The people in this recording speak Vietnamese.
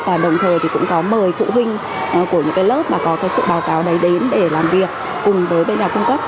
và đồng thời cũng có mời phụ huynh của những lớp có sự báo cáo đầy đến để làm việc cùng với nhà cung cấp